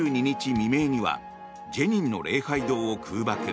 未明にはジェニンの礼拝堂を空爆。